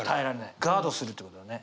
ガードするということだね。